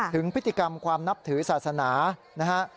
ถึงพฤติกรรมความนับถือศาสนานะฮะ